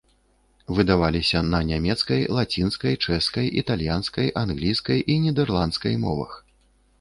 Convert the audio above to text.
Выдаваліся на нямецкай, лацінскай, чэшскай, італьянскай, англійскай і нідэрландскай мовах.